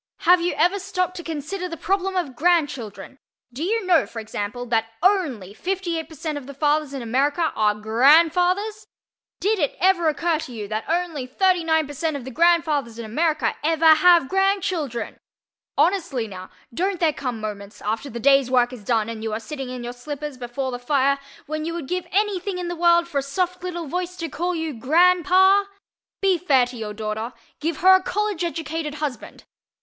Have you ever stopped to consider the problem of grandchildren? Do you know, for example, that ONLY 58% of the fathers in America are GRANDFATHERS? Did it ever occur to you that only 39% of the grandfathers in America EVER HAVE GRANDCHILDREN? Honestly, now, don't there come moments, after the day's work is done and you are sitting in your slippers before the fire, when you would give any thing in the world for a soft little voice to call you GRANDPA? _Be fair to your daughter Give her a College educated husband!